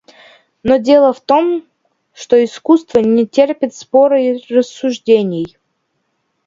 Но дело в том, что искусство не терпит спора и рассуждений.